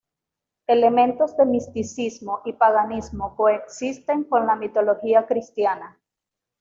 Elementos de misticismo y paganismo coexisten con la mitología cristiana.